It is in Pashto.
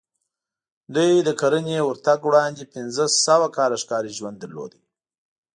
دوی د کرنې ورتګ وړاندې پنځه سوه کاله ښکاري ژوند درلود